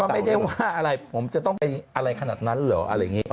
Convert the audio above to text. ไม่ได้ว่าอะไรผมจะต้องไปอะไรขนาดนั้นเหรออะไรอย่างนี้